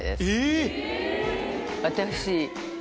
私。